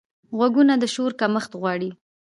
غوږونه د شور کمښت غواړي